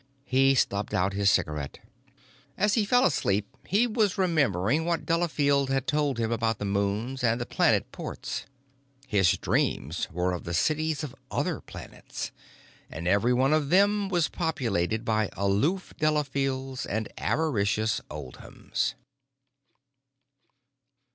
He stubbed out his cigarette. As he fell asleep he was remembering what Delafield had told him about the moons and the planet ports. His dreams were of the cities of other planets, and every one of them was populated by aloof Delafields and avaricious Oldhams.